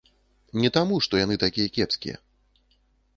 Не таму, што яны такія кепскія.